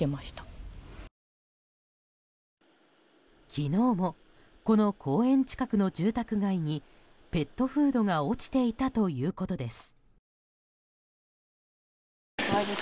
昨日もこの公園近くの住宅街にペットフードが落ちていたということです。